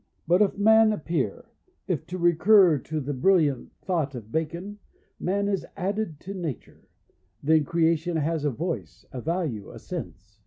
... But if man appear, U, to recur to the brilliant thought of Bacon, "man is added to nature,'" then Creation has a voice, a value, a sense.